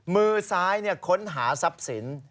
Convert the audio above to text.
มือซ้ายเนี่ยค้นหาซับสิน